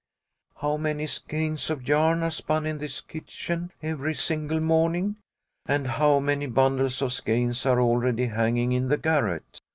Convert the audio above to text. " How many skeins of yarn are spun in this kitchen every single morning ? And how many bundles of skeins are already hanging in the garret